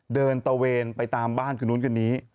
เดินตะเวนไปตามบ้านขึ้นกันนี้